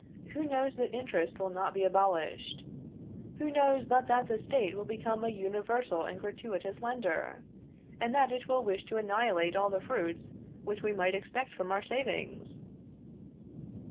Who knows that interest will not be abolished? Who knows but that the State will become a universal and gratuitous lender, and that it will wish to annihilate all the fruits which we might expect from our savings?"